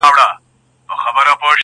هم د ښکلاګانو په فصلونو